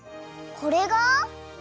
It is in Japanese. これが！？